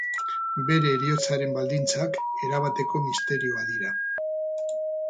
Bere heriotzaren baldintzak, erabateko misterioa dira.